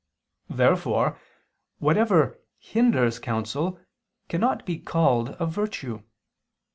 Therefore whatever hinders counsel cannot be called a virtue.